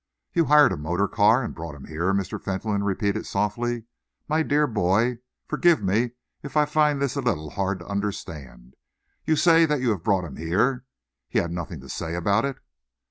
"You hired a motor car and brought him here," Mr. Fentolin repeated softly. "My dear boy forgive me if I find this a little hard to understand. You say that you have brought him here. Had he nothing to say about it?"